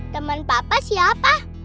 temen papa siapa